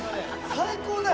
最高だよ。